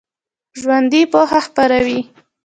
ژوندي پوهه خپروي